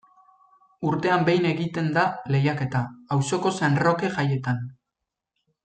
Urtean behin egiten da lehiaketa, auzoko San Roke jaietan.